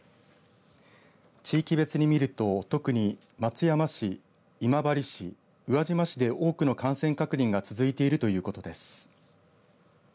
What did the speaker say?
地域別に見ると特に松山市、今治市宇和島市で多くの感染確認が続いているということです。